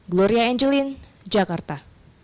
gloria angelin jakarta